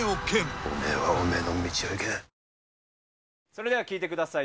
それでは聴いてください。